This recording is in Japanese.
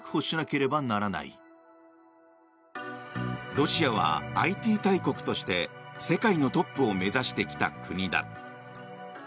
ロシアはＩＴ大国として世界のトップを目指してきた国だ。